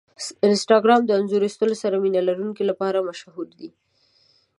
انسټاګرام د انځور ایستلو سره مینه لرونکو لپاره مشهور دی.